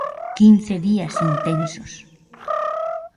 Quince días intensos.